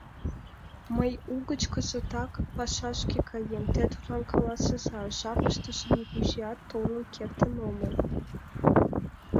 Мый угыч кызытак пашашке каем, те тудлан каласыза: жапыштыже нигузеат толын кертын омыл.